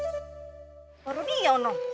orang rodia oh noh